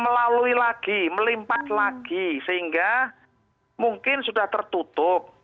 melalui lagi melimpat lagi sehingga mungkin sudah tertutup